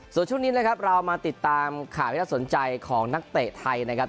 ส่วนช่วงนี้นะครับเรามาติดตามข่าวที่น่าสนใจของนักเตะไทยนะครับ